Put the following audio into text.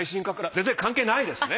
全然関係ないですね。